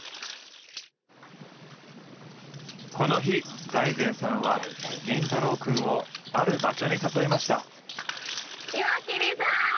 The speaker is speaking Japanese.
この日財前さんは凛太郎くんをある場所に誘いました。